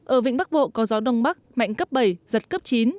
ở vịnh bắc bộ có gió đông bắc mạnh cấp bảy giật cấp chín